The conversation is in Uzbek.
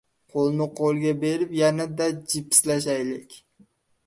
qo‘lni qo‘lga berib yanada jipslashaylik.